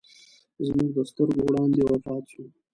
زموږ د سترګو وړاندې وفات سو.